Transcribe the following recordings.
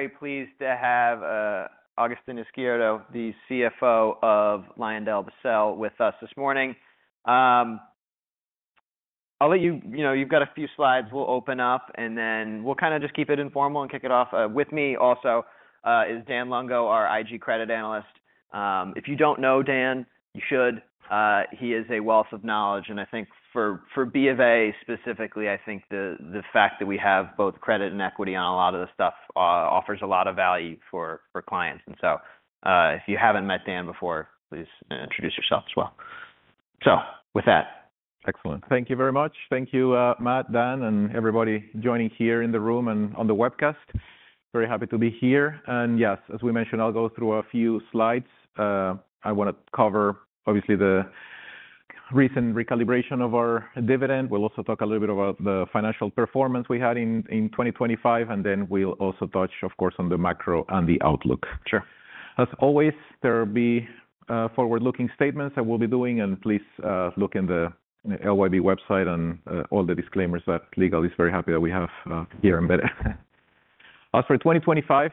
very pleased to have Agustin Izquierdo, the CFO of LyondellBasell, with us this morning. I'll let you know, you've got a few slides we'll open up, and then we'll kind of just keep it informal and kick it off. With me also is Dan Lungo, our IG credit analyst. If you don't know Dan, you should. He is a wealth of knowledge, and I think for BofA specifically, I think the fact that we have both credit and equity on a lot of this stuff, offers a lot of value for clients. If you haven't met Dan before, please introduce yourself as well. With that. Excellent. Thank you very much. Thank you, Matt, Dan, and everybody joining here in the room and on the webcast. Very happy to be here. Yes, as we mentioned, I'll go through a few slides. I want to cover obviously, the recent recalibration of our dividend. We'll also talk a little bit about the financial performance we had in 2025, and then we'll also touch, of course, on the macro and the outlook. Sure. As always, there will be forward-looking statements I will be doing, and please look in the LYB website on all the disclaimers that legal is very happy that we have here embedded. As for 2025,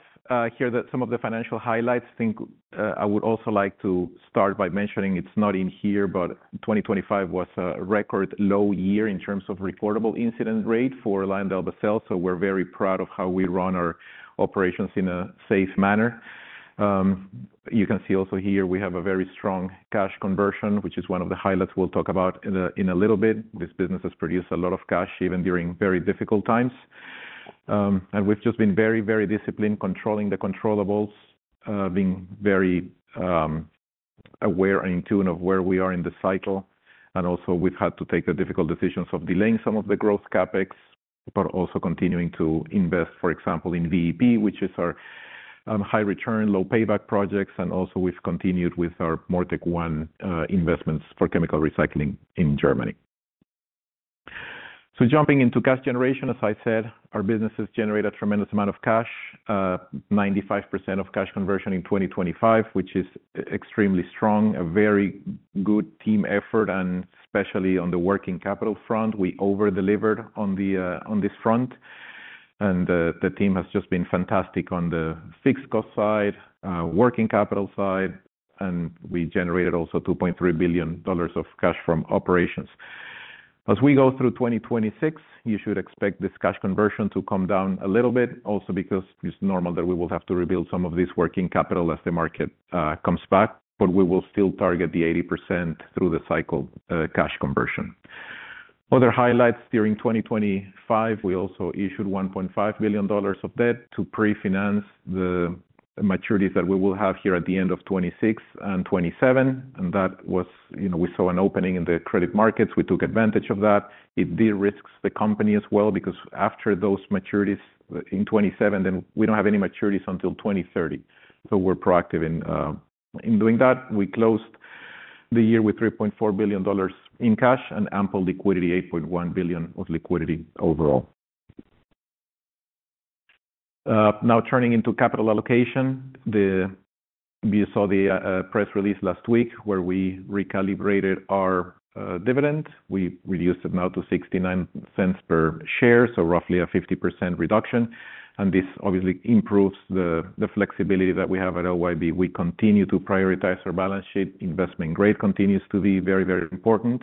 here are some of the financial highlights. I think I would also like to start by mentioning, it's not in here, but 2025 was a record low year in terms of reportable incident rate for LyondellBasell. We're very proud of how we run our operations in a safe manner. You can see also here we have a very strong cash conversion, which is one of the highlights we'll talk about in a little bit. This business has produced a lot of cash, even during very difficult times. We've just been very, very disciplined, controlling the controllables, being very aware and in tune of where we are in the cycle. We've had to take the difficult decisions of delaying some of the growth CapEx, but also continuing to invest, for example, in VEP, which is our high return, low payback projects. We've continued with our MoReTec-1 investments for chemical recycling in Germany. Jumping into cash generation, as I said, our business has generated a tremendous amount of cash. 95% of cash conversion in 2025, which is extremely strong, a very good team effort, and especially on the working capital front. We over-delivered on this front, and the team has just been fantastic on the fixed cost side, working capital side, and we generated also $2.3 billion of cash from operations. As we go through 2026, you should expect this cash conversion to come down a little bit. Because it's normal that we will have to rebuild some of this working capital as the market comes back, but we will still target the 80% through the cycle cash conversion. Other highlights during 2025, we also issued $1.5 billion of debt to pre-finance the maturities that we will have here at the end of 2026 and 2027. You know, we saw an opening in the credit markets. We took advantage of that. It de-risks the company as well, because after those maturities in 2027, we don't have any maturities until 2030. We're proactive in doing that. We closed the year with $3.4 billion in cash and ample liquidity, $8.1 billion of liquidity overall. Now, turning into capital allocation, You saw the press release last week where we recalibrated our dividend. We reduced it now to $0.69 per share, so roughly a 50% reduction. This obviously improves the flexibility that we have at LYB. We continue to prioritize our balance sheet. Investment grade continues to be very important,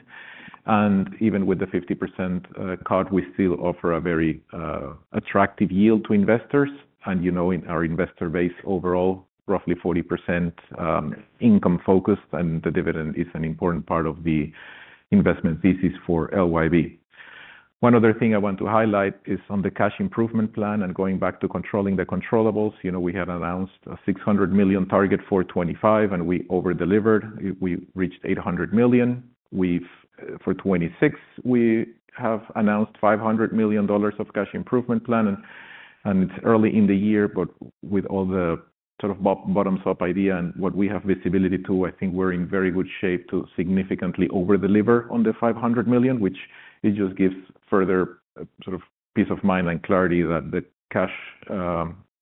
even with the 50% cut, we still offer a very attractive yield to investors. You know, in our investor base overall, roughly 40% income-focused, and the dividend is an important part of the investment thesis for LYB. One other thing I want to highlight is on the cash improvement plan and going back to controlling the controllables. You know, we had announced a $600 million target for 2025, and we over-delivered. We reached $800 million. For 2026, we have announced $500 million of cash improvement plan, and it's early in the year, but with all the sort of bottoms-up idea and what we have visibility to, I think we're in very good shape to significantly over-deliver on the $500 million, which it just gives further sort of peace of mind and clarity that the cash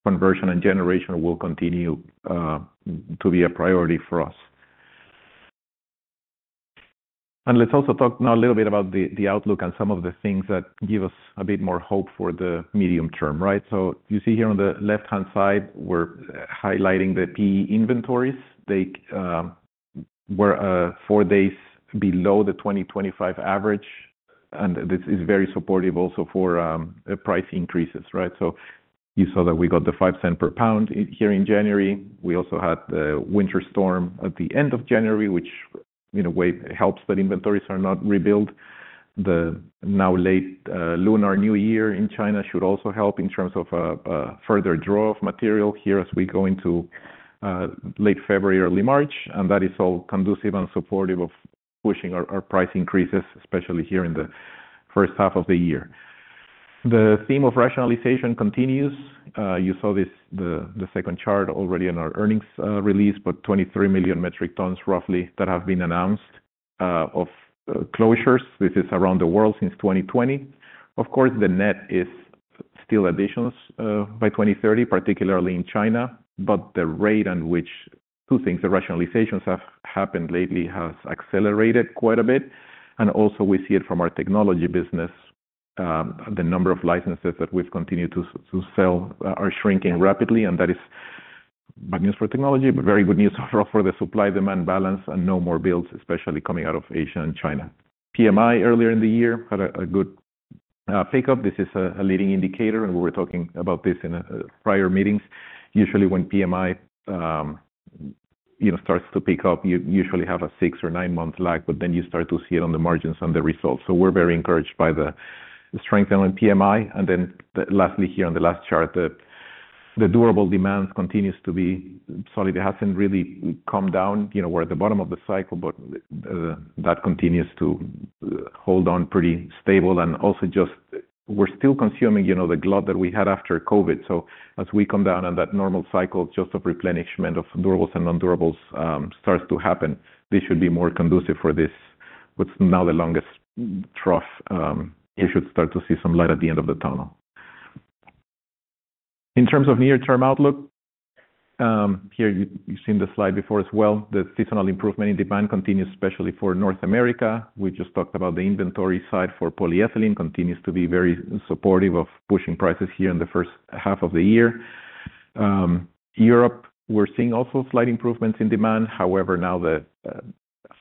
conversion and generation will continue to be a priority for us. Let's also talk now a little bit about the outlook and some of the things that give us a bit more hope for the medium term, right? You see here on the left-hand side, we're highlighting the PE inventories. They were four days below the 2025 average, and this is very supportive also for price increases, right? You saw that we got the $0.05 per pound here in January. We also had the winter storm at the end of January, which in a way helps that inventories are not rebuilt. The now late Lunar New Year in China should also help in terms of further draw of material here as we go into late February, early March. That is all conducive and supportive of pushing our price increases, especially here in the first half of the year. The theme of rationalization continues. You saw the second chart already in our earnings release, but 23 million metric tons, roughly, that have been announced of closures. This is around the world since 2020. Of course, the net is still additions by 2030, particularly in China, but the rate at which Two things. The rationalizations have happened lately, has accelerated quite a bit, and also we see it from our technology business. The number of licenses that we've continued to sell are shrinking rapidly, and that is bad news for technology, but very good news for the supply-demand balance and no more builds, especially coming out of Asia and China. PMI, earlier in the year, had a good pick up. This is a leading indicator. We were talking about this in prior meetings. Usually when PMI, you know, starts to pick up, you usually have a six or 9-month lag. You start to see it on the margins on the results. We're very encouraged by the strength in PMI. Lastly, here on the last chart, the durable demand continues to be solid. It hasn't really come down. You know, we're at the bottom of the cycle, but that continues to hold on pretty stable. Also, just we're still consuming, you know, the glut that we had after COVID. As we come down on that normal cycle, just of replenishment of durables and non-durables, starts to happen, this should be more conducive for this, what's now the longest trough, you should start to see some light at the end of the tunnel. In terms of near-term outlook, here, you've seen the slide before as well. The seasonal improvement in demand continues, especially for North America. We just talked about the inventory side for polyethylene, continues to be very supportive of pushing prices here in the first half of the year. Europe, we're seeing also slight improvements in demand. However, now the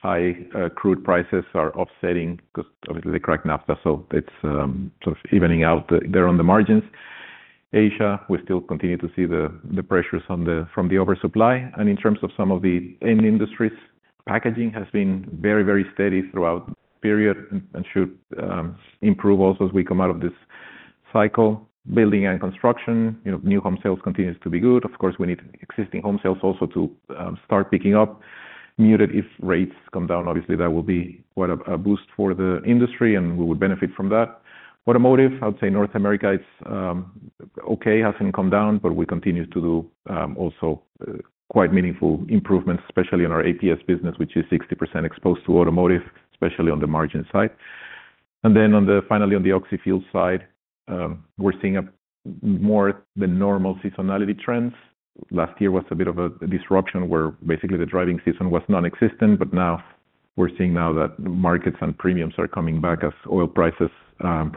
high crude prices are offsetting because obviously they correct naphtha, so it's sort of evening out there on the margins. Asia, we still continue to see the pressures on the, from the oversupply, and in terms of some of the end industries, packaging has been very, very steady throughout the period and should improve also as we come out of this cycle. Building and construction, you know, new home sales continues to be good. Of course, we need existing home sales also to start picking up. Muted if rates come down, obviously that will be quite a boost for the industry, and we would benefit from that. Automotive, I would say North America, it's okay, hasn't come down, but we continue to do also quite meaningful improvements, especially in our APS business, which is 60% exposed to automotive, especially on the margin side. Finally, on the Oxyfuels side, we're seeing a more than normal seasonality trends. Last year was a bit of a disruption where basically the driving season was nonexistent. Now we're seeing that markets and premiums are coming back as oil prices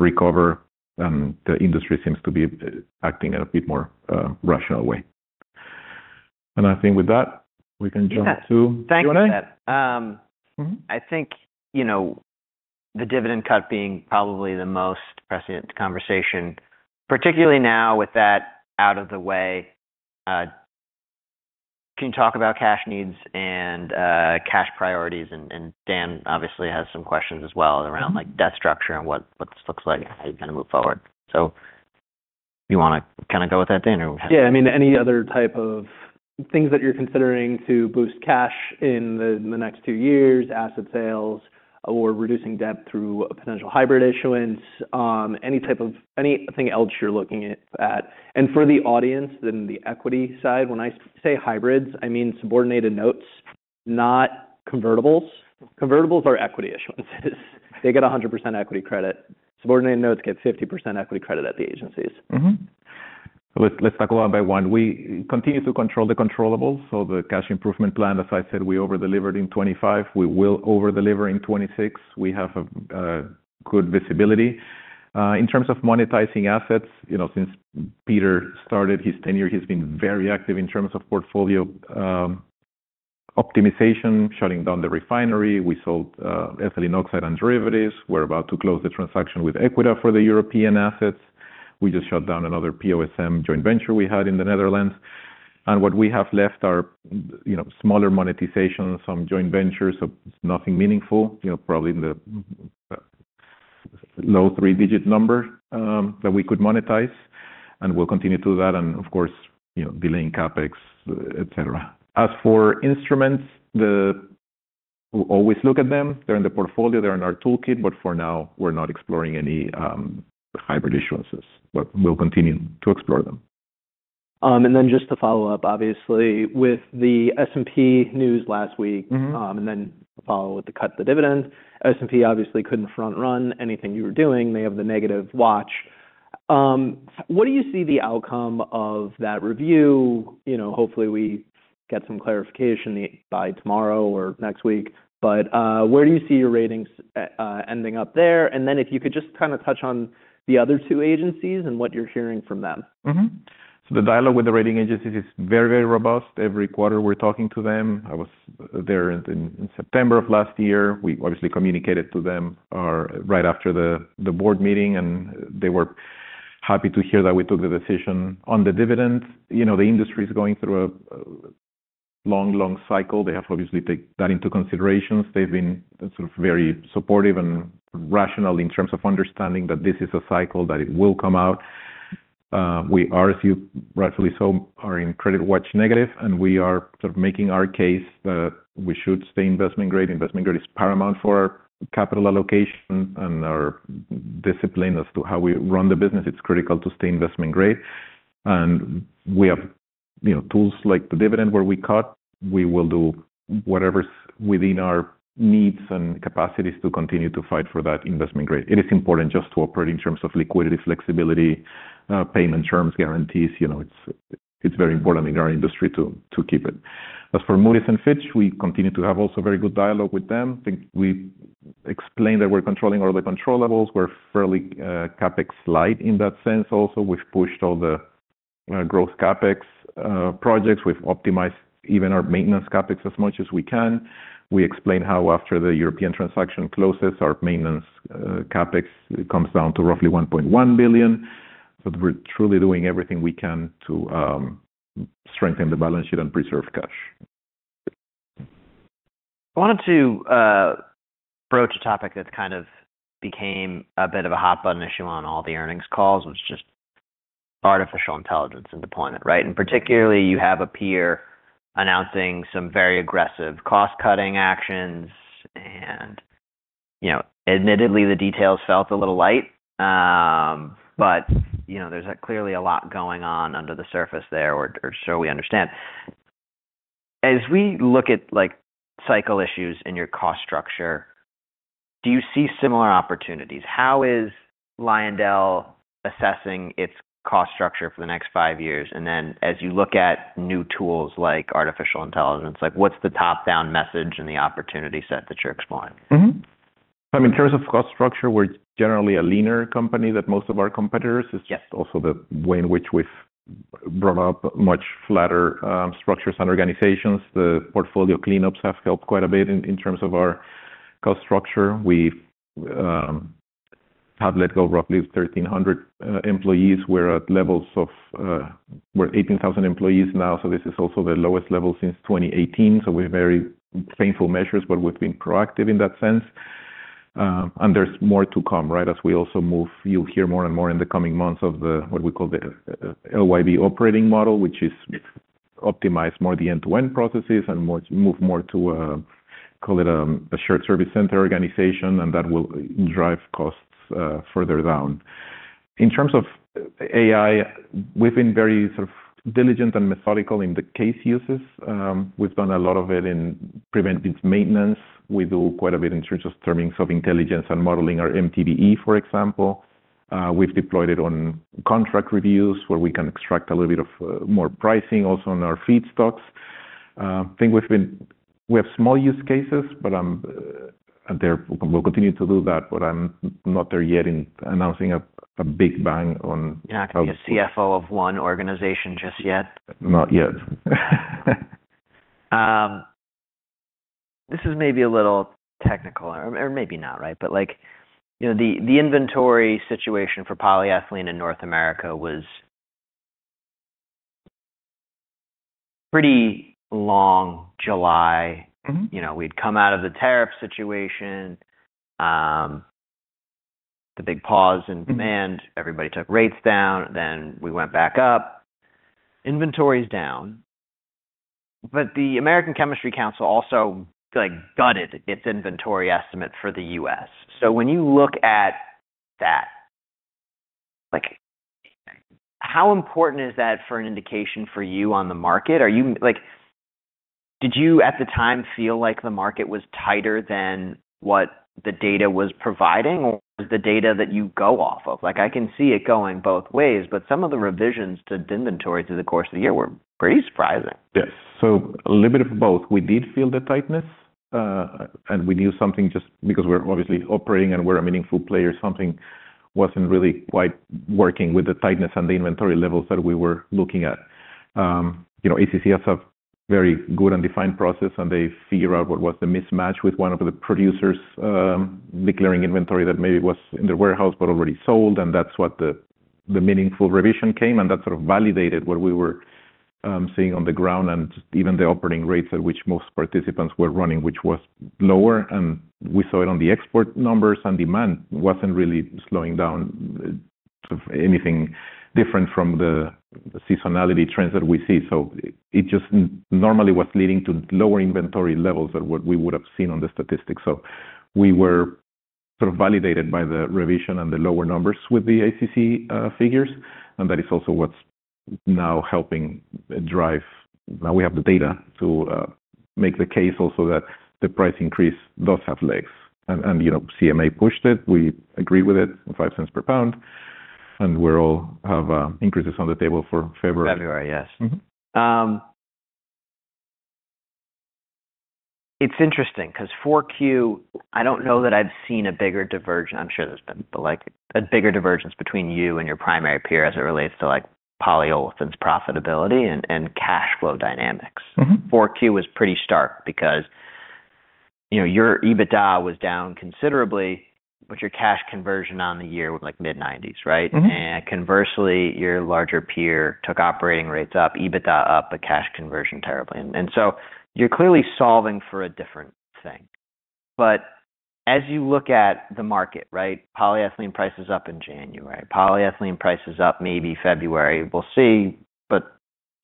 recover, and the industry seems to be acting in a bit more rational way. I think with that, we can jump to Q&A. Thanks for that. Mm-hmm. I think, you know, the dividend cut being probably the most pressing conversation, particularly now with that out of the way, can you talk about cash needs and cash priorities? Dan obviously has some questions as well around, like, debt structure and what this looks like, how you're gonna move forward. Do you wanna kind of go with that, Dan, or? Yeah, I mean, any other type of things that you're considering to boost cash in the next two years, asset sales, or reducing debt through a potential hybrid issuance, anything else you're looking at? For the audience, then the equity side, when I say hybrids, I mean subordinated notes, not convertibles. Convertibles are equity issuances. They get 100% equity credit. Subordinated notes get 50% equity credit at the agencies. Let's tackle one by one. We continue to control the controllables, so the cash improvement plan, as I said, we over-delivered in 2025. We will over-deliver in 2026. We have a good visibility. In terms of monetizing assets, you know, since Peter started his tenure, he's been very active in terms of portfolio optimization, shutting down the refinery. We sold ethylene oxide and derivatives. We're about to close the transaction with AEQUITA for the European assets. We just shut down another POSM joint venture we had in the Netherlands. What we have left are, you know, smaller monetization, some joint ventures, so nothing meaningful, you know, probably in the low $3-digit number that we could monetize, and we'll continue to do that and of course, you know, delaying CapEx, etcetera. As for instruments, we always look at them. They're in the portfolio, they're in our toolkit. For now, we're not exploring any hybrid issuances, but we'll continue to explore them. Just to follow up, obviously, with the S&P news last week. Mm-hmm. Then follow with the cut, the dividend. S&P obviously couldn't front-run anything you were doing. They have the negative watch. What do you see the outcome of that review? You know, hopefully, we get some clarification by tomorrow or next week, but, where do you see your ratings ending up there? Then if you could just kind of touch on the other two agencies and what you're hearing from them. The dialogue with the rating agencies is very, very robust. Every quarter we're talking to them. I was there in September of last year. We obviously communicated to them right after the board meeting, and they were happy to hear that we took the decision on the dividend. You know, the industry is going through a long, long cycle. They have obviously taken that into consideration. They've been sort of very supportive and rational in terms of understanding that this is a cycle, that it will come out. We are a few, rightfully so, are in credit watch negative, and we are sort of making our case that we should stay Investment Grade. Investment Grade is paramount for our capital allocation and our discipline as to how we run the business. It's critical to stay investment grade, and we have, you know, tools like the dividend, where we cut. We will do whatever's within our needs and capacities to continue to fight for that investment grade. It is important just to operate in terms of liquidity, flexibility, payment terms, guarantees. You know, it's very important in our industry to keep it. As for Moody's and Fitch, we continue to have also very good dialogue with them. I think we explained that we're controlling all the control levels. We're fairly CapEx light in that sense also. We've pushed all the growth CapEx projects. We've optimized even our maintenance CapEx as much as we can. We explained how after the European transaction closes, our maintenance CapEx comes down to roughly $1.1 billion. We're truly doing everything we can to strengthen the balance sheet and preserve cash. I wanted to approach a topic that's kind of became a bit of a hot button issue on all the earnings calls, was just artificial intelligence and deployment, right? Particularly, you have a peer announcing some very aggressive cost-cutting actions, and, you know, admittedly, the details felt a little light. You know, there's clearly a lot going on under the surface there or so we understand. As we look at, like, cycle issues in your cost structure, do you see similar opportunities? How is Lyondell assessing its cost structure for the next five years? As you look at new tools like artificial intelligence, like what's the top-down message and the opportunity set that you're exploring? Mm-hmm. I mean, in terms of cost structure, we're generally a leaner company than most of our competitors. Yes. It's just also the way in which we've brought up much flatter structures and organizations. The portfolio cleanups have helped quite a bit in terms of our cost structure. We've have let go of roughly 1,300 employees. We're at levels of we're 18,000 employees now, this is also the lowest level since 2018. We're very painful measures, but we've been proactive in that sense. There's more to come, right? As we also you'll hear more and more in the coming months of the, what we call the LYB operating model, which is optimize more the end-to-end processes, move more to call it a shared service center organization, that will drive costs further down. In terms of AI, we've been very sort of diligent and methodical in the case uses. We've done a lot of it in preventive maintenance. We do quite a bit in terms of intelligence and modeling our MTBE, for example. We've deployed it on contract reviews, where we can extract a little bit of more pricing, also on our feedstocks. I think we have small use cases, but I'm, and there, we'll continue to do that, but I'm not there yet in announcing a big bang on- You're not gonna be a CFO of one organization just yet? Not yet. This is maybe a little technical or maybe not, right? Like, you know, the inventory situation for polyethylene in North America was pretty long July. Mm-hmm. You know, we'd come out of the tariff situation, the big pause in demand, everybody took rates down. We went back up. Inventory is down. The American Chemistry Council also, like, gutted its inventory estimate for the U.S. When you look at that, like, how important is that for an indication for you on the market? Like, did you, at the time, feel like the market was tighter than what the data was providing, or was the data that you go off of? Like, I can see it going both ways. Some of the revisions to inventory through the course of the year were pretty surprising. Yes. A little bit of both. We did feel the tightness, and we knew something just because we're obviously operating and we're a meaningful player, something wasn't really quite working with the tightness and the inventory levels that we were looking at. You know, ACC has a very good and defined process. They figure out what was the mismatch with one of the producers declaring inventory that maybe was in their warehouse but already sold. That's what the meaningful revision came, and that sort of validated what we were seeing on the ground and even the operating rates at which most participants were running, which was lower. We saw it on the export numbers. Demand wasn't really slowing down, sort of anything different from the seasonality trends that we see. It just normally was leading to lower inventory levels than what we would have seen on the statistics. We were sort of validated by the revision and the lower numbers with the ACC figures, and that is also what's now helping drive. Now we have the data to make the case also that the price increase does have legs. You know, CMA pushed it. We agreed with it, $0.05 per pound, and we're all have increases on the table for February. February, yes. Mm-hmm. It's interesting 'cause 4Q, I don't know that I've seen a bigger divergence. I'm sure there's been, but like a bigger divergence between you and your primary peer as it relates to, like, polyolefins profitability and cash flow dynamics. Mm-hmm. Four Q was pretty stark because, you know, your EBITDA was down considerably, but your cash conversion on the year was, like, mid-nineties, right? Mm-hmm. Conversely, your larger peer took operating rates up, EBITDA up, but cash conversion terribly. You're clearly solving for a different thing. As you look at the market, right, polyethylene prices up in January, polyethylene price is up maybe February. We'll see,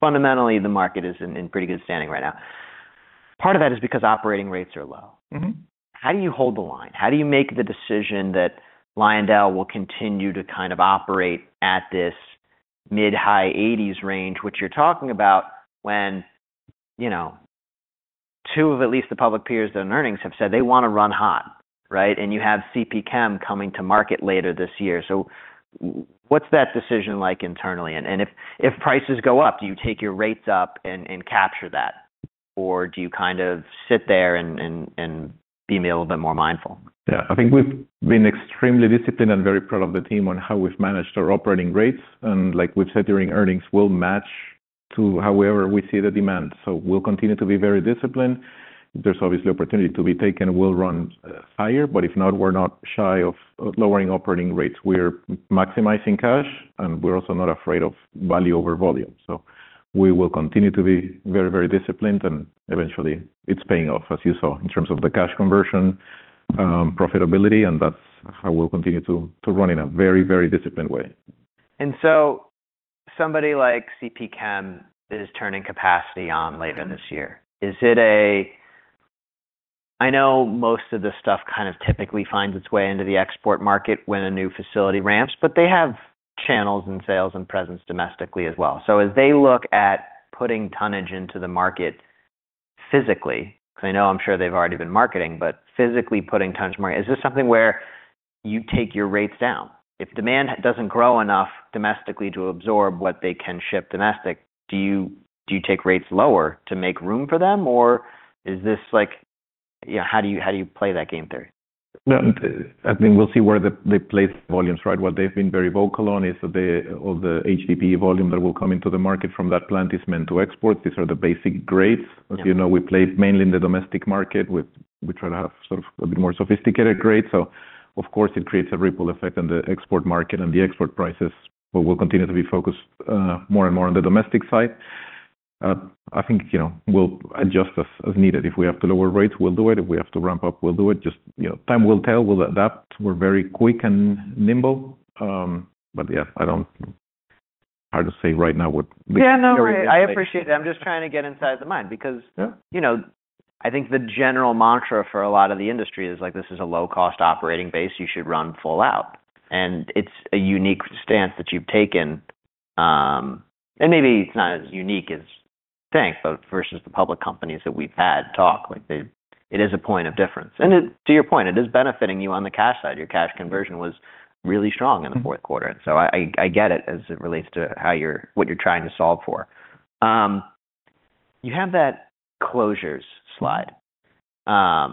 fundamentally, the market is in pretty good standing right now. Part of that is because operating rates are low. Mm-hmm. How do you hold the line? How do you make the decision that Lyondell will continue to kind of operate at this mid-high 80s range, which you're talking about, when, you know, two of at least the public peers that are in earnings have said they wanna run hot, right? You have CPChem coming to market later this year. What's that decision like internally? If prices go up, do you take your rates up and capture that? Do you kind of sit there and be a little bit more mindful? Yeah, I think we've been extremely disciplined and very proud of the team on how we've managed our operating rates. Like we've said, during earnings, we'll match to however we see the demand. We'll continue to be very disciplined. If there's obviously opportunity to be taken, we'll run higher, but if not, we're not shy of lowering operating rates. We're maximizing cash, and we're also not afraid of value over volume. We will continue to be very disciplined. Eventually, it's paying off, as you saw, in terms of the cash conversion, profitability, and that's how we'll continue to run in a very disciplined way. Somebody like CPChem is turning capacity on later this year. I know most of the stuff kind of typically finds its way into the export market when a new facility ramps, but they have channels and sales and presence domestically as well. As they look at putting tonnage into the market physically, because I know, I'm sure they've already been marketing, but physically putting tonnage more, is this something where you take your rates down? If demand doesn't grow enough domestically to absorb what they can ship domestic, do you take rates lower to make room for them, or is this like... Yeah, how do you play that game theory? No, I think we'll see where they place volumes, right? What they've been very vocal on is all the HDPE volume that will come into the market from that plant is meant to export. These are the basic grades. Yeah. As you know, we play mainly in the domestic market. We try to have sort of a bit more sophisticated grades, so of course, it creates a ripple effect on the export market and the export prices. We'll continue to be focused more and more on the domestic side. I think, you know, we'll adjust as needed. If we have to lower rates, we'll do it. If we have to ramp up, we'll do it. Just, you know, time will tell. We'll adapt. We're very quick and nimble. Yeah, Hard to say right now what- Yeah, no, I appreciate it. I'm just trying to get inside the mind. Yeah... you know, I think the general mantra for a lot of the industry is like: This is a low-cost operating base, you should run full out. It's a unique stance that you've taken. Maybe it's not as unique as you think, but versus the public companies that we've had talk, like, it is a point of difference. It, to your point, it is benefiting you on the cash side. Your cash conversion was really strong. Mm-hmm in the fourth quarter. I get it as it relates to what you're trying to solve for. You have that closures slide. There's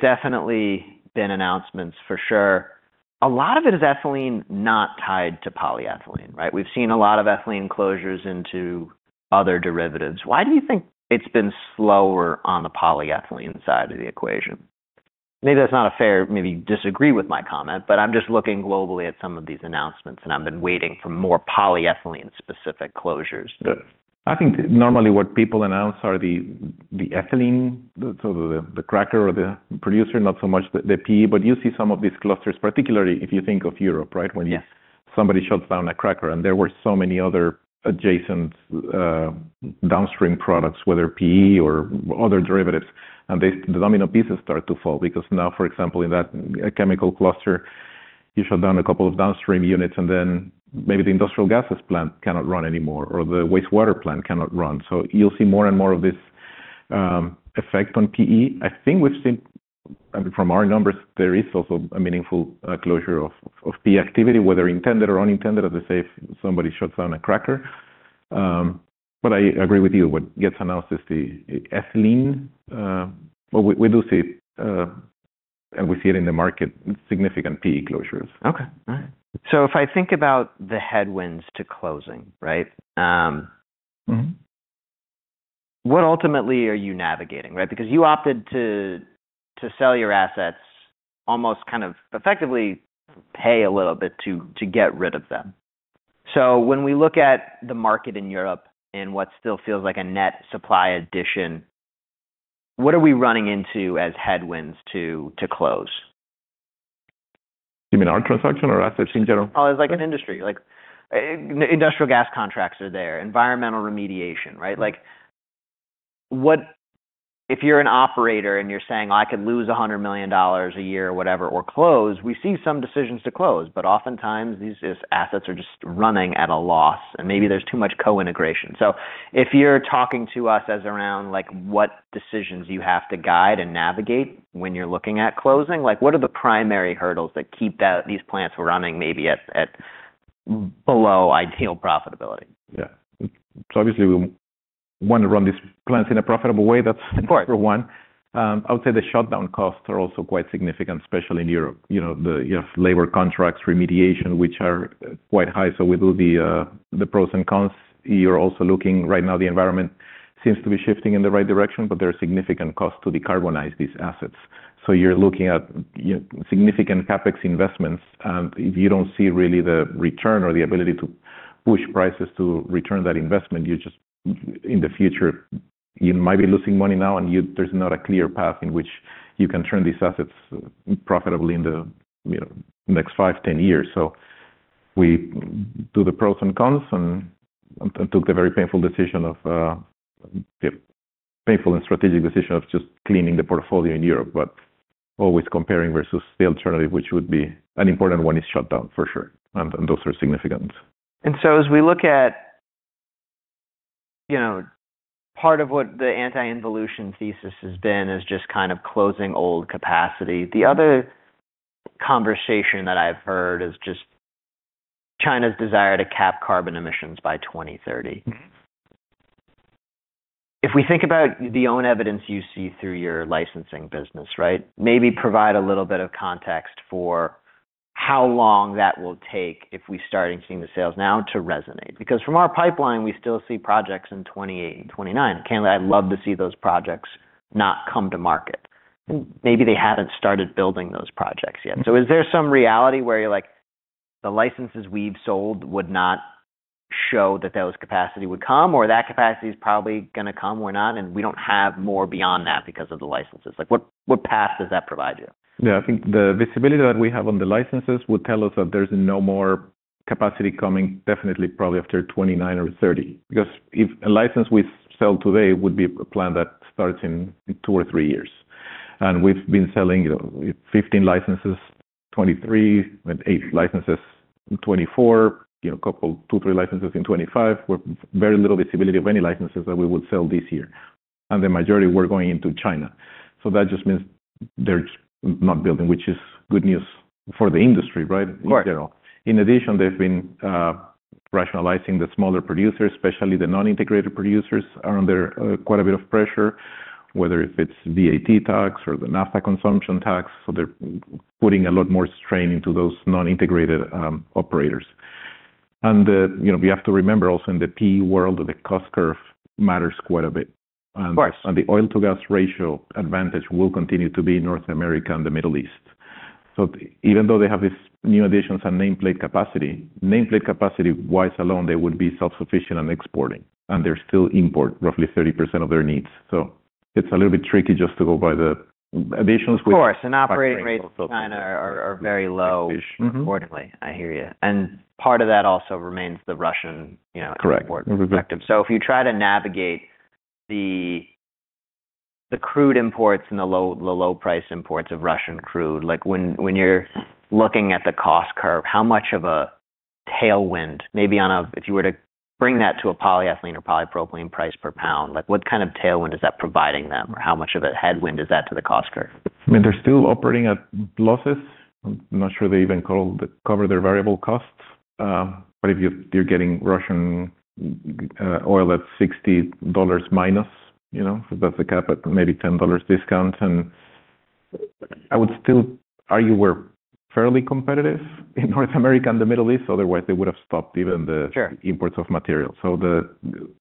definitely been announcements for sure. A lot of it is ethylene not tied to polyethylene, right? We've seen a lot of ethylene closures into other derivatives. Why do you think it's been slower on the polyethylene side of the equation? Maybe that's not fair, maybe you disagree with my comment, but I'm just looking globally at some of these announcements, and I've been waiting for more polyethylene-specific closures. Yeah. I think normally what people announce are the ethylene, the, so the cracker or the producer, not so much the PE, but you see some of these clusters, particularly if you think of Europe, right? Yes. When somebody shuts down a cracker, there were so many other adjacent downstream products, whether PE or other derivatives, the domino pieces start to fall. Now, for example, in that chemical cluster, you shut down a couple of downstream units, maybe the industrial gases plant cannot run anymore or the wastewater plant cannot run. You'll see more and more of this effect on PE. I think we've seen, from our numbers, there is also a meaningful closure of PE activity, whether intended or unintended, as I say, if somebody shuts down a cracker. I agree with you. What gets announced is the ethylene. We do see, and we see it in the market, significant PE closures. Okay. All right. If I think about the headwinds to closing, right? Mm-hmm. What ultimately are you navigating, right? Because you opted to sell your assets, almost kind of effectively pay a little bit to get rid of them. When we look at the market in Europe and what still feels like a net supply addition, what are we running into as headwinds to close? You mean our transaction or assets in general? As, like, an industry. Like, industrial gas contracts are there, environmental remediation, right? Like, what if you're an operator and you're saying, "I could lose $100 million a year," whatever, "or close," we see some decisions to close, but oftentimes these assets are just running at a loss, and maybe there's too much co-integration. If you're talking to us as around, like, what decisions you have to guide and navigate when you're looking at closing, like, what are the primary hurdles that keep these plants running maybe at below ideal profitability? Yeah. Obviously, we want to run these plants in a profitable way. Of course. That's number 1. I would say the shutdown costs are also quite significant, especially in Europe. You know, you have labor contracts, remediation, which are quite high. We do the pros and cons. You're also looking. Right now, the environment seems to be shifting in the right direction, but there are significant costs to decarbonize these assets. You're looking at, you know, significant CapEx investments, and if you don't see really the return or the ability to push prices to return that investment, you just, in the future, you might be losing money now, there's not a clear path in which you can turn these assets profitably in the, you know, next five, 10 years. We do the pros and cons and took the very painful decision of painful and strategic decision of just cleaning the portfolio in Europe, but always comparing versus the alternative, which would be an important one, is shut down for sure, and those are significant. As we look at, you know, part of what the anti-involution thesis has been is just kind of closing old capacity. The other conversation that I've heard is just China's desire to cap carbon emissions by 2030. If we think about the own evidence you see through your licensing business, right? Maybe provide a little bit of context for how long that will take if we starting seeing the sales now to resonate. From our pipeline, we still see projects in 2028 and 2029. I'd love to see those projects not come to market. Maybe they haven't started building those projects yet. Is there some reality where you're like, the licenses we've sold would not show that those capacity would come, or that capacity is probably gonna come or not, and we don't have more beyond that because of the licenses? Like, what path does that provide you? Yeah, I think the visibility that we have on the licenses would tell us that there's no more capacity coming, definitely, probably after 2029 or 2030. If a license we sell today would be a plan that starts in two or three years, and we've been selling, you know, 15 licenses, 2023, and eight licenses, 2024, you know, a couple, two, three licenses in 2025, with very little visibility of any licenses that we would sell this year. The majority were going into China. That just means they're not building, which is good news for the industry, right? Right. They've been rationalizing the smaller producers, especially the non-integrated producers, are under quite a bit of pressure, whether if it's VAT tax or the NAFTA consumption tax. They're putting a lot more strain into those non-integrated operators. You know, we have to remember also in the P world, the cost curve matters quite a bit. Of course. The oil to gas ratio advantage will continue to be in North America and the Middle East. Even though they have this new additions and nameplate capacity-wise alone, they would be self-sufficient and exporting, and they still import roughly 30% of their needs. It's a little bit tricky just to go by the additions. Of course, operating rates are very low accordingly. I hear you. Part of that also remains the Russian, you know. Correct. Import perspective. If you try to navigate the crude imports and the low price imports of Russian crude, like when you're looking at the cost curve, how much of a tailwind, maybe if you were to bring that to a polyethylene or polypropylene price per pound, like what kind of tailwind is that providing them, or how much of a headwind is that to the cost curve? I mean, they're still operating at losses. I'm not sure they even cover their variable costs, but if you're getting Russian oil at $60 minus, you know, that's a cap at maybe $10 discount, and I would still argue we're fairly competitive in North America and the Middle East, otherwise they would have stopped even. Sure... imports of material.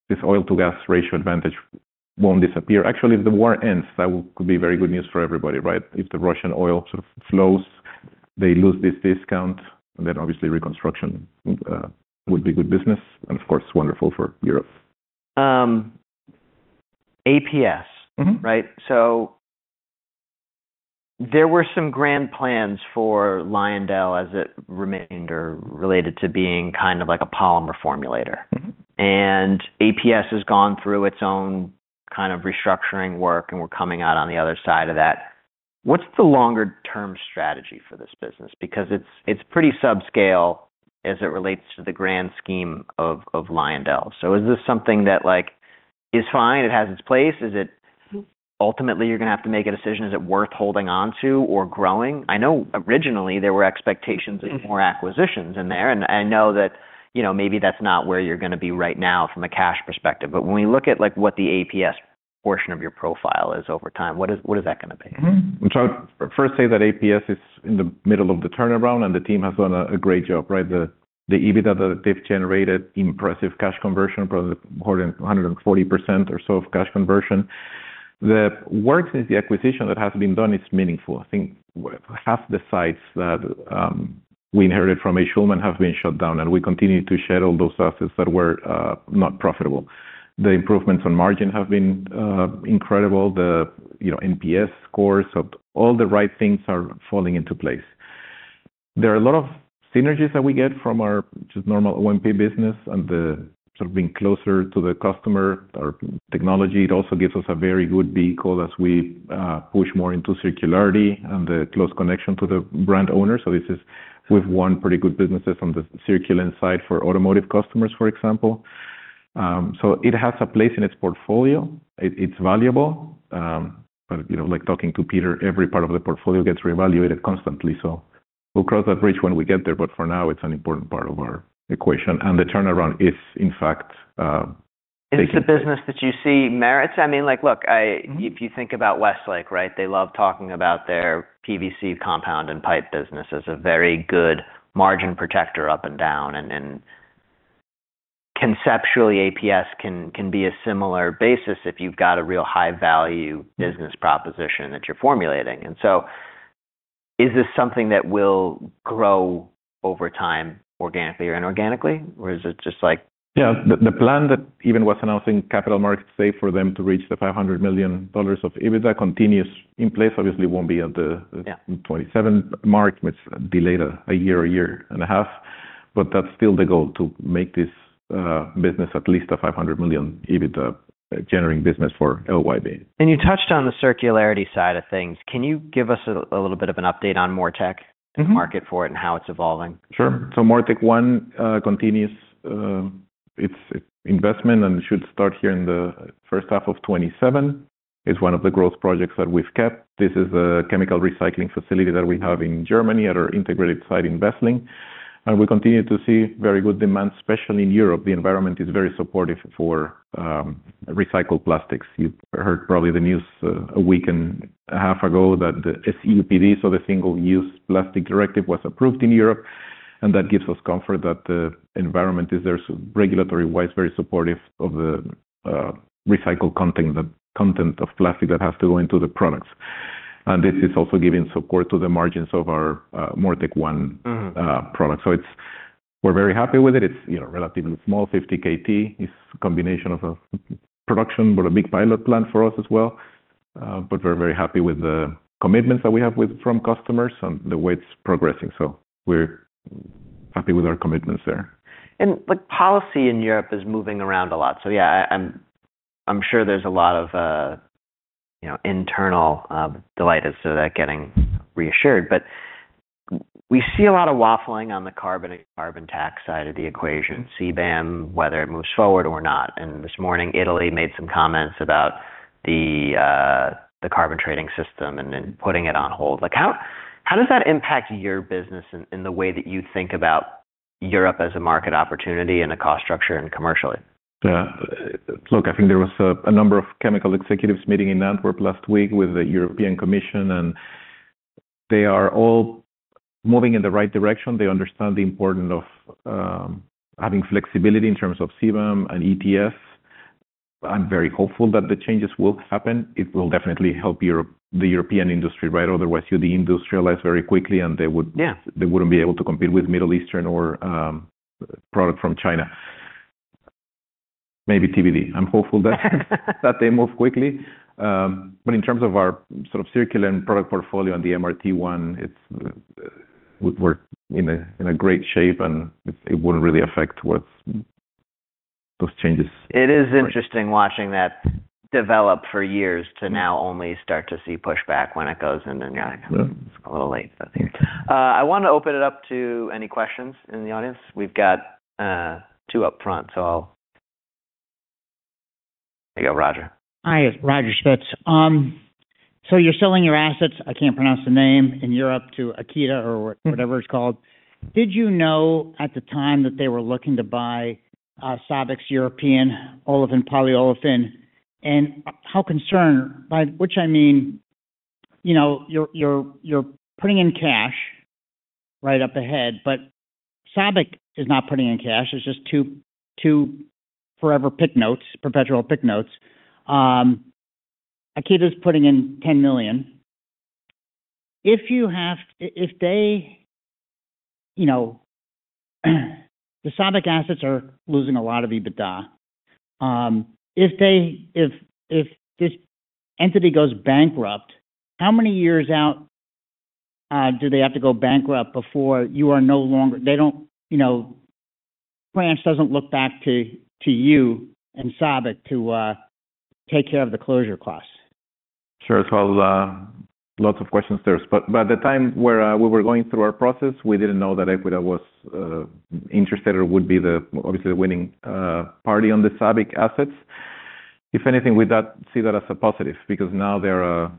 This oil to gas ratio advantage won't disappear. Actually, if the war ends, that could be very good news for everybody, right? If the Russian oil sort of flows, they lose this discount, then obviously reconstruction would be good business, and of course, wonderful for Europe. APS. Mm-hmm. Right? There were some grand plans for Lyondell as it remained or related to being kind of like a polymer formulator. Mm-hmm. APS has gone through its own kind of restructuring work, and we're coming out on the other side of that. What's the longer term strategy for this business? Because it's pretty subscale as it relates to the grand scheme of Lyondell. Is this something that, like, is fine, it has its place? Is it ultimately you're gonna have to make a decision, is it worth holding on to or growing? I know originally there were expectations- Mm-hmm of more acquisitions in there. I know that, you know, maybe that's not where you're gonna be right now from a cash perspective. When we look at like what the APS portion of your profile is over time, what is that gonna be? First say that APS is in the middle of the turnaround, and the team has done a great job, right? The EBITDA that they've generated, impressive cash conversion, probably more than 140% or so of cash conversion. The work since the acquisition that has been done is meaningful. I think half the sites that we inherited from A. Schulman have been shut down, and we continue to shed all those assets that were not profitable. The improvements on margin have been incredible. The, you know, NPS scores, all the right things are falling into place. There are a lot of synergies that we get from our just normal O&P business and the sort of being closer to the customer, our technology. It also gives us a very good vehicle as we push more into circularity and the close connection to the brand owner. We've won pretty good businesses on the Circulen side for automotive customers, for example. It has a place in its portfolio. It's valuable, but, you know, like talking to Peter, every part of the portfolio gets reevaluated constantly. We'll cross that bridge when we get there, but for now, it's an important part of our equation, and the turnaround is in fact. Is this a business that you see merits? I mean, like, look. If you think about Westlake, right, they love talking about their PVC compound and pipe business as a very good margin protector up and down, and then conceptually, APS can be a similar basis if you've got a real high-value business proposition that you're formulating. Is this something that will grow over time, organically or inorganically, or is it just? Yeah, the plan that even was announcing capital markets, say, for them to reach the $500 million of EBITDA continues in place, obviously won't be at the- Yeah... 27 mark, which delayed a year, a year and a half, but that's still the goal, to make this business at least a $500 million EBITDA generating business for LYB. You touched on the circularity side of things. Can you give us a little bit of an update on MoReTec- Mm-hmm... the market for it and how it's evolving? Sure. MoReTec-1 continues its investment, and it should start here in the first half of 2027. It's one of the growth projects that we've kept. This is a chemical recycling facility that we have in Germany at our integrated site in Wesseling, and we continue to see very good demand, especially in Europe. The environment is very supportive for recycled plastics. You've heard probably the news a week and a half ago that the SUPD, so the Single-Use Plastics Directive, was approved in Europe, and that gives us comfort that the environment is there. Regulatory-wise, very supportive of the recycled content, the content of plastic that has to go into the products. This is also giving support to the margins of our MoReTec-1 product. We're very happy with it. It's, you know, relatively small, 50 KT. It's a combination of a production, but a big pilot plant for us as well. But we're very happy with the commitments that we have from customers and the way it's progressing, so we're happy with our commitments there. Policy in Europe is moving around a lot. Yeah, I'm sure there's a lot of, you know, internal delight as to that getting reassured. We see a lot of waffling on the carbon tax side of the equation, CBAM, whether it moves forward or not, and this morning, Italy made some comments about the carbon trading system and then putting it on hold. Like, how does that impact your business in the way that you think about Europe as a market opportunity and a cost structure and commercially? Look, I think there was a number of chemical executives meeting in Antwerp last week with the European Commission. They are all moving in the right direction. They understand the importance of having flexibility in terms of CBAM and ETS. I'm very hopeful that the changes will happen. It will definitely help the European industry, right? Otherwise, you deindustrialize very quickly. Yeah. They wouldn't be able to compete with Middle Eastern or product from China. Maybe TBD. I'm hopeful that they move quickly. In terms of our sort of circular product portfolio and the MRT-1, it's we're in a great shape, and it wouldn't really affect what's those changes. It is interesting watching that develop for years to now only start to see pushback when it goes, and then, yeah- Yeah. It's a little late, I think. I wanna open it up to any questions in the audience. We've got 2 up front. Here you go, Roger. Hi, Roger Schmitz. You're selling your assets, I can't pronounce the name, in Europe, to AEQUITA or whatever it's called. Did you know at the time that they were looking to buy SABIC's European olefin polyolefin? How concerned, by which I mean, you know, you're putting in cash right up ahead. SABIC is not putting in cash. It's just two forever PIK notes, perpetual PIK notes. AEQUITA is putting in $10 million. If they, you know, the SABIC assets are losing a lot of EBITDA. If they, if this entity goes bankrupt, how many years out do they have to go bankrupt before you are no longer? They don't, you know, France doesn't look back to you and SABIC to take care of the closure costs? Sure. Lots of questions there. By the time we were going through our process, we didn't know that AEQUITA was interested or would be the, obviously, the winning party on the SABIC assets. If anything, we see that as a positive, because now they're a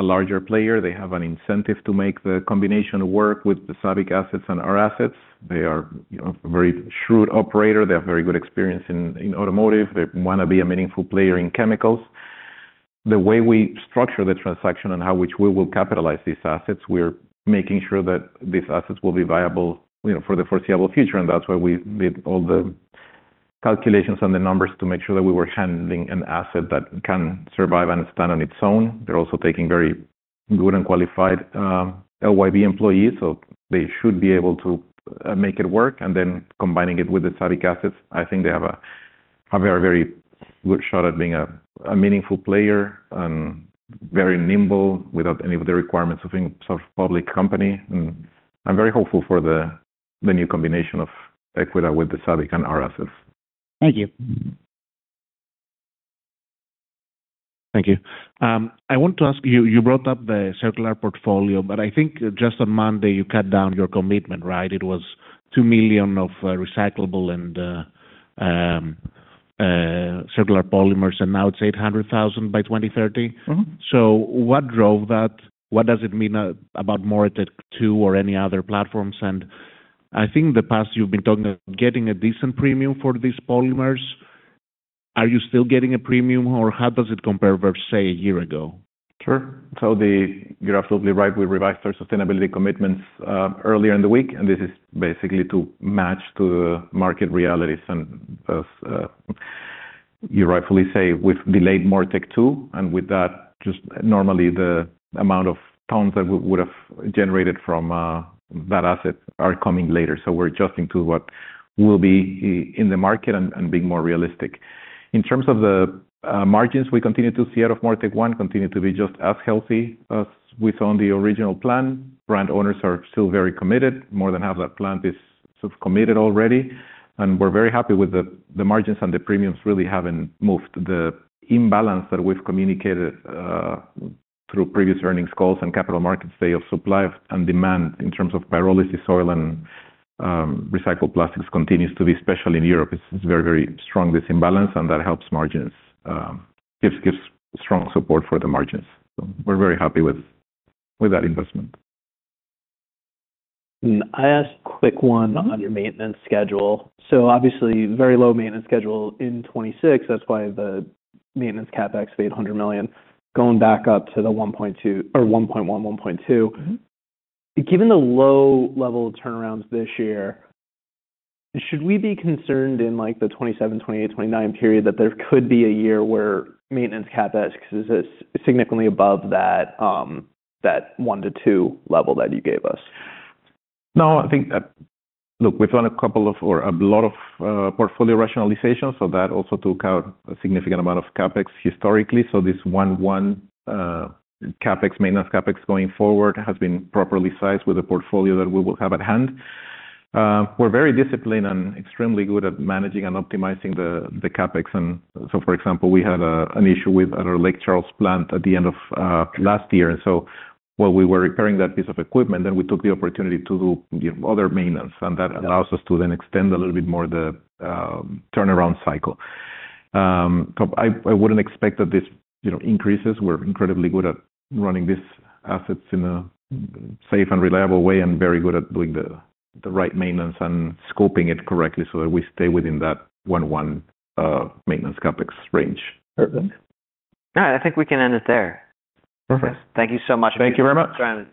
larger player, they have an incentive to make the combination work with the SABIC assets and our assets. They are, you know, a very shrewd operator. They have very good experience in automotive. They wanna be a meaningful player in chemicals. The way we structure the transaction and how which we will capitalize these assets, we're making sure that these assets will be viable, you know, for the foreseeable future, and that's why we did all the calculations and the numbers to make sure that we were handling an asset that can survive and stand on its own. They're also taking very good and qualified LYB employees, so they should be able to make it work, and then combining it with the SABIC assets, I think they have a very, very good shot at being a meaningful player and very nimble, without any of the requirements of being sort of public company. I'm very hopeful for the new combination of AEQUITA with the SABIC and our assets. Thank you. Mm-hmm. Thank you. I want to ask you brought up the circular portfolio, but I think just on Monday, you cut down your commitment, right? It was $2 million of recyclable and circular polymers, and now it's $800,000 by 2030. Mm-hmm. What drove that? What does it mean about MoReTec-2 or any other platforms? I think in the past, you've been talking about getting a decent premium for these polymers. Are you still getting a premium, or how does it compare versus, say, a year ago? Sure. You're absolutely right, we revised our sustainability commitments earlier in the week, and this is basically to match to the market realities. As you rightfully say, we've delayed MoReTec-2, and with that, just normally the amount of pounds that we would have generated from that asset are coming later. We're adjusting to what will be in the market and being more realistic. In terms of the margins we continue to see out of MoReTec-1, continue to be just as healthy as we saw on the original plan. Brand owners are still very committed. More than half that plant is sort of committed already, and we're very happy with the margins, and the premiums really haven't moved. The imbalance that we've communicated through previous earnings calls and capital markets day of supply and demand in terms of pyrolysis oil and recycled plastics continues to be, especially in Europe. It's very, very strong, this imbalance, and that helps margins, gives strong support for the margins. We're very happy with that investment. I ask a quick one- Mm-hmm. on your maintenance schedule. Obviously, very low maintenance schedule in 2026. That's why the maintenance CapEx of $800 million, going back up to the $1.2 billion or $1.1 billion, $1.2 billion. Mm-hmm. Given the low level of turnarounds this year, should we be concerned in, like, the 2027, 2028, 2029 period, that there could be a year where maintenance CapEx is significantly above that one to two level that you gave us? No, I think that. Look, we've done a couple of or a lot of portfolio rationalization, that also took out a significant amount of CapEx historically. This one CapEx, maintenance CapEx going forward, has been properly sized with the portfolio that we will have at hand. We're very disciplined and extremely good at managing and optimizing the CapEx. For example, we had an issue with our Lake Charles plant at the end of last year. While we were repairing that piece of equipment, then we took the opportunity to do, you know, other maintenance, and that allows us to then extend a little bit more the turnaround cycle. I wouldn't expect that this, you know, increases. We're incredibly good at running these assets in a safe and reliable way and very good at doing the right maintenance and scoping it correctly so that we stay within that 1-1 maintenance CapEx range. All right. I think we can end it there. Perfect. Thank you so much. Thank you very much. Thanks.